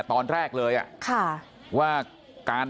ตอนแรกเลยว่าการ